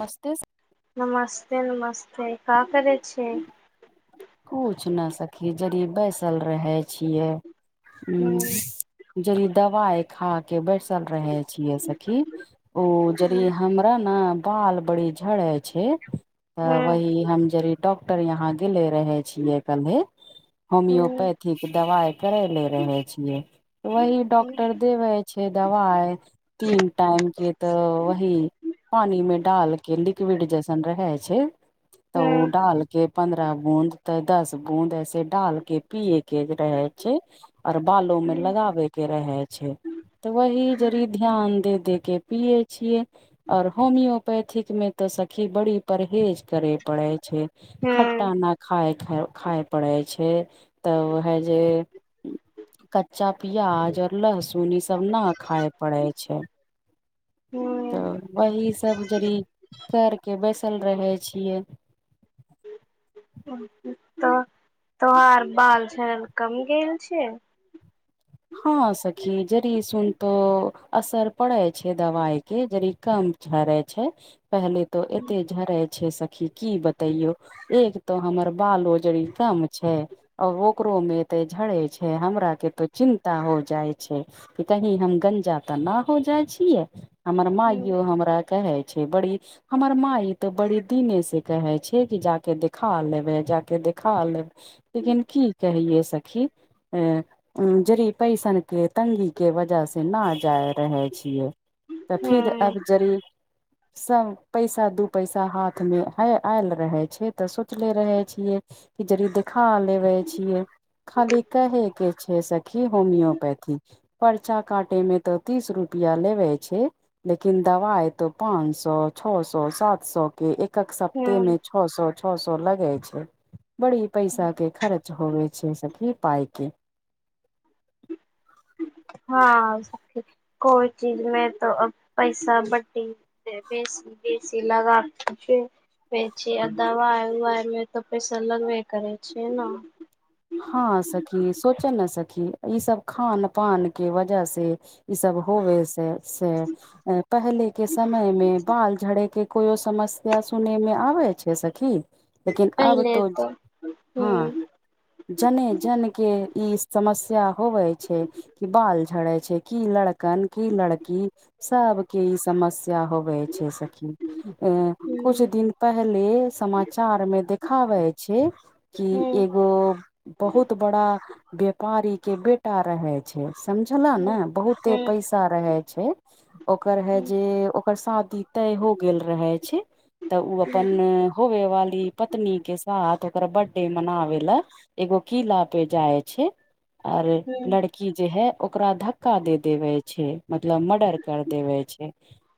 मस्तिस नमस्ते नमस्ते का करै छियै कुछ नहि सखी जरी बैसल रहै छियै ह हूँ [unintelligible] दवाए खा के बैस [unintelligible] तल रहै छिय सखी ओ यदि हूँ हमरा न बाल बड़ी झड़े छै तऽ हूँ वहि हम जड़ि डॉक्टर यहां गेले रहै छियै कलहे हूँ होमियोपैथिक दबाइ करै ले रहै छियै वही हूँ डॉक्टर देबे छै दवाइ तीन टाइम के तऽ वही पानी में डाल के लिक्विड जैसन रहे छै तऽ ओ डालके पन्द्रह बूंद तऽ दस बूंद ऐसे डालके पियए के रहे छै आओर बालो में लगाबे के रहै छै तऽ वही जड़ी ध्यान दे दे के पियए छियए और होमियोपेथिक में ते सखी बड़ी परहेज करे पड़े छै हूँ खट्टा नहि खाए-खाएब खाय पड़ै छै तब है जे कच्चा प्याज और लहसुन ई सब ना खाय पड़े छै हूं तऽ वही सब जडी़ कर के बैसल रहे छिए तऽ तोहार बाल झड़ कम गेल छै हँ सखी जड़ी सुनतो असर पड़े छै दवाइ के जड़ी कम झरे छै पहले तो एते झरे छै सखी की बतेइयो एक तो हमर बालो जड़ी कम छै और ओकरो में एते झड़े छै हमरा के तो चिन्ता हो जाइ छै कि कही हम गंजा तऽ नहि हो जाइ छिऐ हमर हूँ मइयो हमरा कहे छै बड़ी हमर माई ते बड़े दिने से कहे छै कि जाकऽ देखा लेबे जाकऽ देखा लेबए लेकिन की कहहिए सखी ए जरी पइसन के तंगी के वजह से न जाय रहे छिए तऽ फिर हूँ अब जड़ी सभ पैसा दू पैसा हाथमे ह आयल रहै छै तऽ सोचले रहै छिऐ कि जड़ देखा लेबे छियै खाली कहेके छै सखी होमियोपैथी परचा काटे मे तऽ तीस रुपआ लेवे छै लेकिन दवाइ तो पाँच सए छओ सए सात सौ के एकक सप्ताहमे छओ सौ छओ सौ लगै छै बड़ी पैसा के खर्च होबे छैे सखी पाइके हँ कोइ चीजमे तऽ पैइसा बड्डी बेसी बेसी [unintelligible] छै [unintelligible] छी आ दबाइ उवाइ मे तऽ पैसा लगै करै छिए ना हँ सखी सोचऽ ने सखी ई सब खान पान के वजह से ई सब होवे से पहले के समय मे बाल झड़े के कोयो समस्या सुनेमे आवे छै सखी लेकिन अब पहिले तो तऽ हं हूँ जने जन के ई समस्या होबै छै कि बाल झड़े छै की लड़कन की लड़की सबके ई समस्या हो होए छै सखी ए कुछ हूँ दिन पहिले समाचार मे देखाबै छै कि हूँ एगो बहुत बड़ा व्यापारी के बेटा रहै छे समझलऽ हूँ ने बहुते हूँ पै रहे छै ओकर हे हँ जे ओकर शादी तय हो गेल रहै छै तऽ उ अपन होबे वाली पत्नी के साथ ओकर बर्थडे मनाबे लअ एगो कीला पे जाय छै आर लड़की जे है ओकरा धक का दे देवे छै मतलब मर्डर कर देवे छै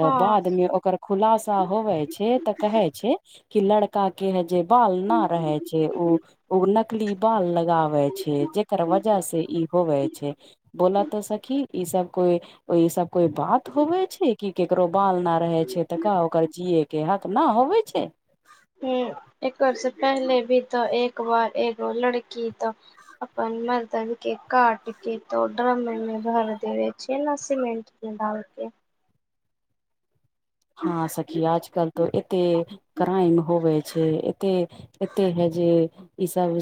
तऽ बाद मे ओकर खुलासा होबे छै तऽ कहै छै कि लड़का के हे जे बाल ना रहे छै उ उ [unintelligible] ना बाल लगाबे छै जेकर वजह से ई होवे छै बोलऽ तऽ सखी ई सब कोइ ओ ई सब कोई बात होबे छि कि केकरो बाल न रहे छै तऽ का ओकर जिए के हक न होबे छै हं एकर से पहले भी तो एक बार एगो लड़की तऽ अपन मरदन के काट के तो ड्रममे ने भर देबे छै ने सीमेंट [unintelligible] डाल के हँ सखी आज कल तअ एते क्राइम होबे छै एते एते है जे ई सब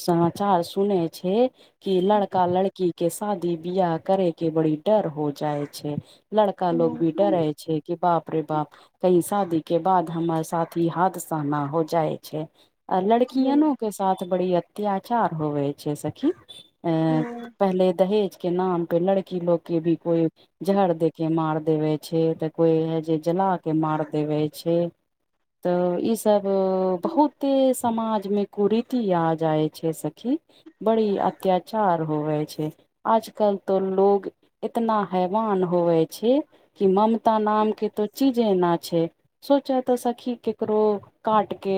समाचार सुनै छै कि लड़का लड़की के शादी बियाह करे के बड़ी डर हो जाइ छै लड़का लोग भी डरै छै कि बाप े बाप कही शादी के बाद हमर साथी हाद सहना हो जाइ छै आ लड़कियनो के साथ बड़ी अत्याचार होवे छै सखी अएं पहिले दहेज के नाम पे लड़की लोग के भी कोई जहड़ दे के मार देवे छै तऽ कोई है जे जला के मार देबै छै तऽ ई सब बहुते समाज मे कुरीति आ जाय छै सब बड़ी अत्यचार होव छै आज कल तो लोग इतना हैवान होवे छै कि ममता नाम के तो चीज एना छै सोचे तऽ सखी केकरो काट के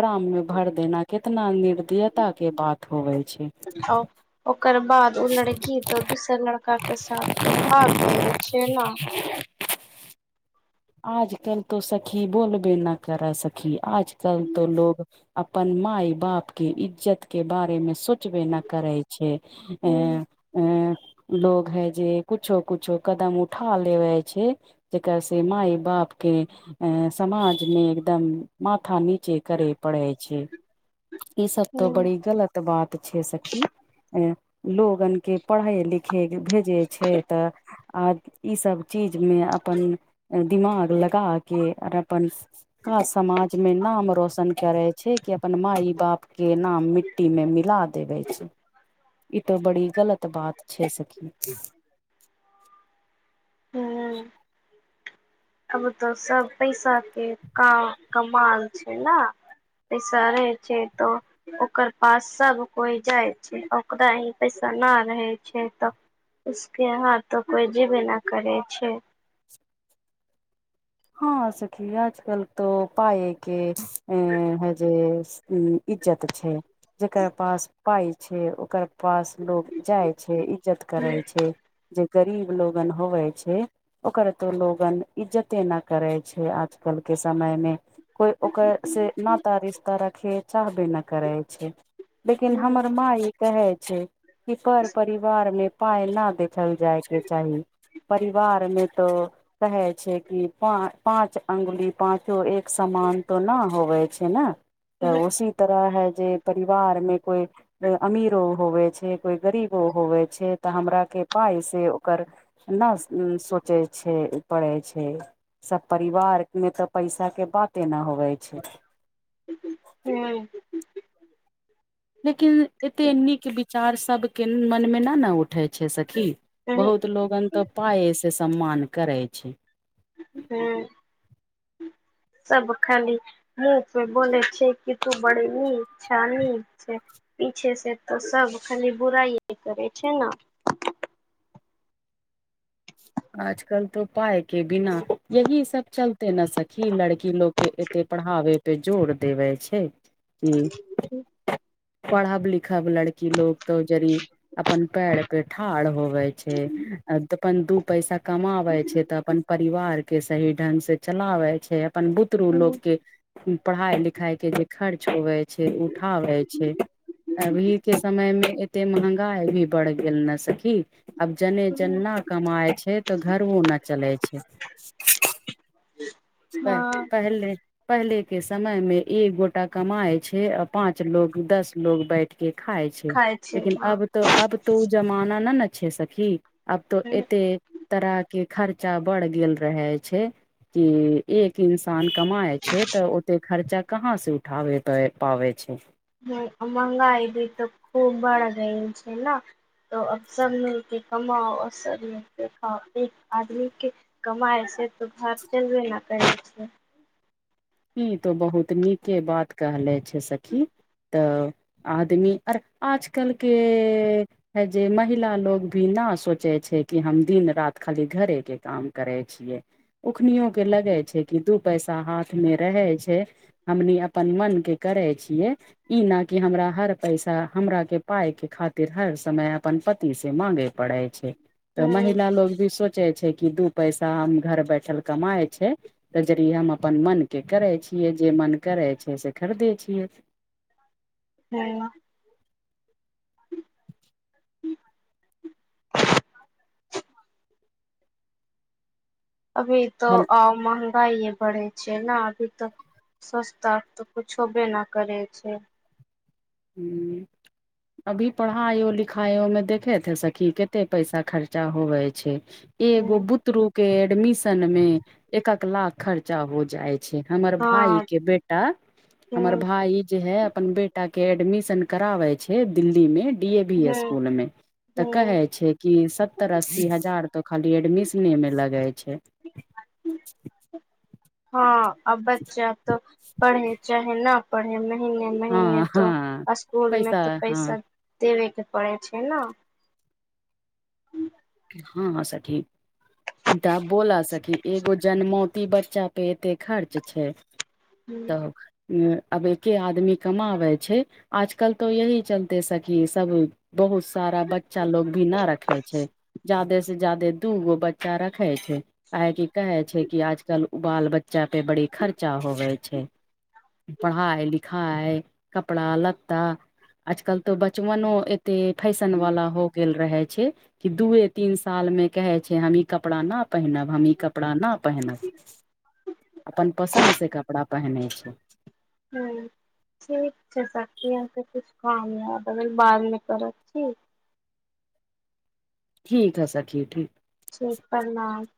ड्राम मे भर देना कितना निर्दयता के बात होवे छै ह ओकर बाद उ लड़की तो दोसर लड़का के साथ तो भाग गेल छै नऽ आजकल तो सखी बोलबे न करै सखी आजकल तो लोग अप्पन माय बापके इज्जत के बारेमे सोच [unintelligible] बे न करै छै अऽ अंय लोग है जे कुछो कुछो कदम उठा लेवे छै जेकर मााय बाप के समाज मे एकदम माथा नीचे करे पढ़ै छै ई सबबतो ह बड़ी गलत तऽ बात छै सखी एं लोगन के पढ़ै लिखै भेजै छै तऽ आ ईसभ चीजमे अपन दिमाग लगा के अर अपन [unintelligible] समाज मे नाम रोशन करे छै कि अपन माय बापके नाम मिट्टीमे मिला देबै छै ई तो बड़ी गलत बात छै सखी ह अब तऽ सब पैसा के काम कमाल छै ने पैसा रहे छै त ओकर पास सब कोइ जाइ छै ओकरा ही पैसा नहि रहै छै तऽ उसके यहा तो कोई जेवे न करे छै हँ सखी आजकल तो पायके अ हे जेे उम्म इज्जत छै जेकर पास पाइ छै ओकर पास लोग जाइ छै इज्जत करै हूँ छै जे गरीब लोगन होवै छै ओकर तो लोगन इज्जते न करे छै आजकल के समयमे कोए ओकर से नाता रिसता राखेत चाहबे नहि करै छै लेकिन हूँ हमर माँ ई कहै छै कि पर परिवारमे पाय न देखल जाय के चाही परिवार मे तो कहे छै कि प पाँच अंगुली पाचो एक समान तो न होवे छै ने तऽ उसी तरह है जे परिवार मे कोइ अमीरो होवे छै कोइ गरीबो होवे छै तऽ हमरा के पाइ से ओकर [unintelligible] सोचै छै पढ़ै छै सब परिवार मे तऽ पैसा के बातेना होवे छै हू लेकिन एते नीक विचार सब के मन मे न न उ उठे छै सखी हूँ हूँ बहुत लोगन तऽ पाई से सम्मान करे छै हू सब खाली बोले छै की तू बड़े निक छै‌ निक छै पीछे से तऽ सब खाली बुराइ करै छै ने आजकल तऽ पाई के बिना यह सब चल एते न सखी लड़की लोग के एते पढ़ाबे पे जोर देबे छै कि पढ़ब लिखब लड़की लोक तो जरी अपन पैड़ पे ठाढ़ होवे छै अपन दुःख पैसा कमा आबै छै तऽ अपन परिवार के सही ढंग से चलाबै छै अपन बुतरू हूँ लोकके पढ़ाइ लिखाइके जे खर्च होबे छै उठाबै छै अभी के समय मे एते महंगाई भी बढ़ गेल ने सखी अब जने जना कमाय छै तऽ घरवो न चलै छै प हँ पहिले पहले के समय में एक गोटा कमाय छै आ पांच लोग दस लोग बैठ के खाय छै खाय छै लेकिन अब तऽ अब तो ओ जमाना नहि न छैे सखी अब तो हँ एते तरह के खर्चा बढ़ गेल रहे छै कि एक इंसान कमाय छै तऽ ओते खर्चा कहाँ से उठाबे पाबै छै हूँ महगाई भी तऽ खूब बड़ गइ छै न तो अब सब मिलके कमाओ आ सब मिल के खाओ एक आदमी के कमाइ छै तऽ घर चलबे नहि करै छै ई तऽ बहुत नीके बात कहले छै सखी तऽ आदमी आजकल के हे जे महिला लोग भी ना सोचे छै कि हम दिन राति खाली घरे के काम करै छियै उखनो के लगै छै कि दू पैसा हाथ मे रहे छै हमनी अपन मनके करै छियै ई न कि हमरा हर पैसा हमरा के पाई के खातिर हर समय अपन पति से मांगे पढै छै तऽ हूँ महिला लोग भी सोच सोचे छै कि दू पैसा हम घर बैठल कमाइ छै त जरी हम अपन मन के करै छियै जे मन करै छै से खरीदे छियै नै न अभी तऽ हल अ महगाइए बढ़े छै ने अभी तऽ सस्ता तोऽ कुछोबे न करै छै हूँ अभी पढ़ायो लिखायो मे देखे छैे सखी कते पैसा खर्चा होवे छै हँ एगो बुतरू के एडमिशन में एकक लाख खर्चा हो जाय छै हमर भायी हूँ के बेटा हमर भायी जे है अपन बे के एडमिशन करावे छै दिल्ली मे डी ए वी हूँ स्कूल मे तऽ हूँ कहे छै कि सत्तर अस्सी हजार तऽ खाली एडमिशने मे लगै छै हँ आ बच्चा तऽ पढ़ै चाहै न पढ़े महने हँ महने हँ तो स्कूल मे पैसा तऽ हँ पैसा दे वेके पड़े छै न हँ सखी तऽ बोला सखी एगो जन्मौटी बच्चा पेते खर्च छै त आब एके आदमी कमाबै छै आजकल तऽ यही चलते सखी सब बहुत सारा बच्चा लोग भी नहि रखे छै जादे से जदे दू गो बच्चा रखै छै काहेकि कहे छै कि आजकल बाल बच्चा पे बड़ी खर्चा होवे छै पढ़ाइ लिखाइ कपड़ा लत्ता आजकल तो बचपनो एते फैशन वाला हो गेल रहे छै कि दुए तीन साल मे कहै छै हम ई कपड़ा न पहिनब हम ई कपड़ा न पहिनब अपन पसन्दसँ कपड़ा पहिनै छै हँ थिक छ कामया अगर बाद मे करब की ठीक ह सखी ठीक छै प्रणाम